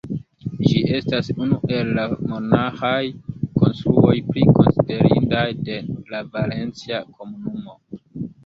Ĝi estas unu el la monaĥaj konstruoj pli konsiderindaj de la Valencia Komunumo.